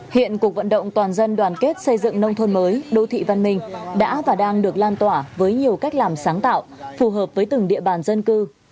hiện cuộc vận động toàn dân đoàn kết xây dựng nông thôn mới đô thị văn minh đã và đang được lan tỏa với nhiều cách làm sáng tạo phù hợp với từng địa bàn dân cư